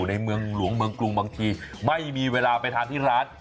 ข้างบัวแห่งสันยินดีต้อนรับทุกท่านนะครับ